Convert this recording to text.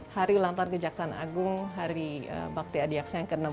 hari ulantar kejaksaan agung hari bakti adiaksian ke enam puluh